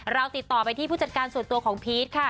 เราติดต่อไปที่ผู้จัดการส่วนตัวของพีชค่ะ